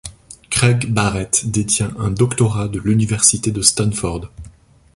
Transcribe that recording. Craig Barrett détient un doctorat de l'université de Stanford.